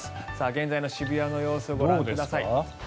現在の渋谷の様子ご覧ください。